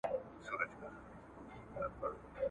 په مال کي د خیر او برکت لپاره زکات ورکړئ.